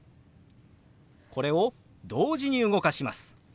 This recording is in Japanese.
これを同時に動かします。